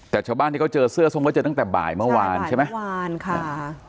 แต่ชาวบ้านที่เขาเจอเสื้อส้มก็เจอตั้งแต่บ่ายเมื่อวานใช่ไหมเมื่อวานค่ะ